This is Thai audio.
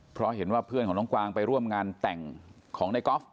เพราะเห็นว่าเพื่อนของน้องกวางไปร่วมงานแต่งของในกอล์ฟ